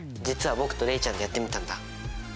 実は僕と礼ちゃんでやってみたんだ。